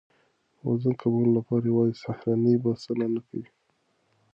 د وزن کمولو لپاره یوازې سهارنۍ بسنه نه کوي.